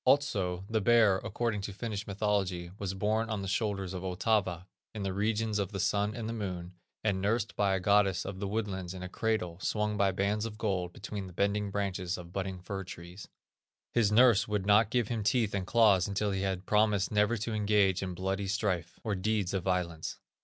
Otso, the bear, according to Finnish mythology, was born on the shoulders of Otava, in the regions of the sun and moon, and "nursed by a goddess of the woodlands in a cradle swung by bands of gold between the bending branches of budding fir trees." His nurse would not give him teeth and claws until he had promised never to engage in bloody strife, or deeds of violence.